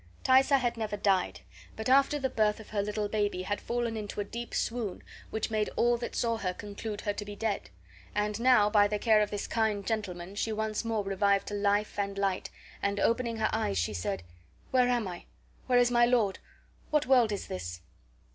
Thaisa had never died, but after the birth of her little baby had fallen into a deep swoon which made all that saw her conclude her to be dead; and now by the care of this kind gentleman she once more revived to light and life; and, opening her eyes, she said: "Where am I? Where is my lord? What world is this?"